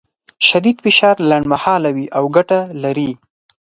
شدید فشار لنډمهاله وي او ګټه لري.